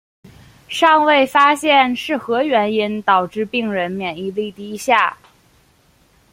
尚未发现是何原因导致病人免疫力低下。